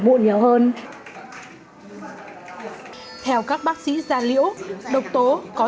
mụn nhiều hơn theo các bác sĩ gia liễu hà nội độc tố có trọng của bệnh viện gia liễu hà nội